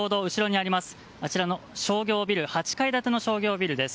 あちらの８階建ての商業ビルです。